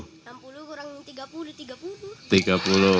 enam puluh kurang tiga puluh tiga puluh